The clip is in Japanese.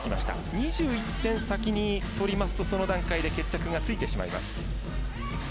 ２１点先に取りますとその段階で決着がついてしまいます。